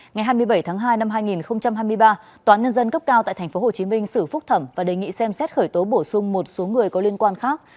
ngày hai mươi bảy tháng hai năm hai nghìn hai mươi ba tòa án nhân dân cấp cao tại tp hcm xử phúc thẩm và đề nghị xem xét khởi tố bổ sung một số người có liên quan khác